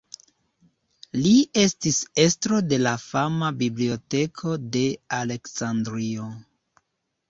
Li estis estro de la fama Biblioteko de Aleksandrio.